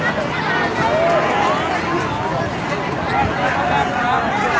เฮ้ยเฮ้ยเฮ้ย